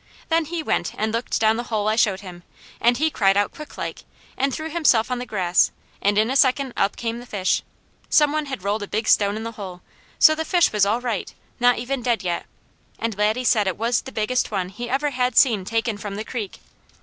Then he went and looked down the hole I showed him and he cried out quicklike, and threw himself on the grass, and in a second up came the fish. Some one had rolled a big stone in the hole, so the fish was all right, not even dead yet, and Laddie said it was the biggest one he ever had seen taken from the creek.